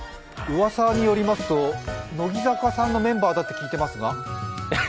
うわさによりますと乃木坂さんのメンバーだって聞いていますが。